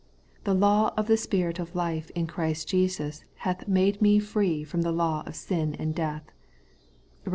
' The law of the spirit of life in Christ Jesus hath made me free from the law of sin and death ' (Rom.